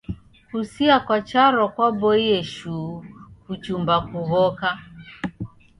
Kusia kwa charo kwaboie shuu kuchumba kuw'oka.